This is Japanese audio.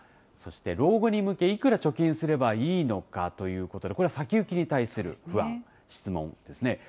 そして老後に向けいくら貯金すればいいのかということで、これは先行きに対する不安、質問ですね。